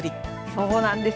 そうなんです。